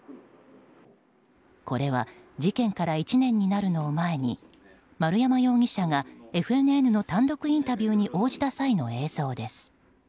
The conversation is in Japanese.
これは事件から１年になるのを前に丸山容疑者がＦＮＮの単独インタビューに応じた際の映像です。